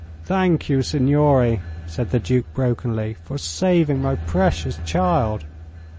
"Thank you, signore," said the Duke, brokenly, "for saving my precious child."